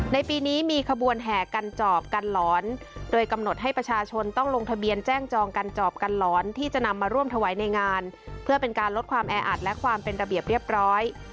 ในปีนี้มีขบวนแห่กันจอบกันหลอนโดยกำหนดให้ประชาชนต้องลงทะเบียนแจ้งจองกันจอบกันหลอนที่จะนำมาร่วมถวายในงานเพื่อเป็นการลดความแออัดและความเป็นระเบียบเรียบร้อย